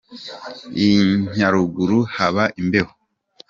I Nyaruguru haba imbeho.